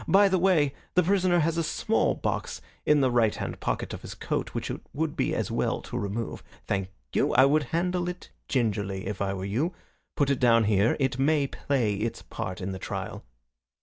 By the way, the prisoner has a small box in the right hand pocket of his coat which it would be as well to remove. Thank you. I would handle it gingerly if I were you. Put it down here. It may play its part in the trial."